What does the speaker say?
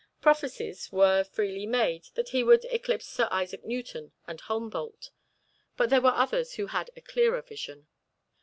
Prophecies were freely made that he would eclipse Sir Isaac Newton and Humboldt. But there were others who had a clearer vision.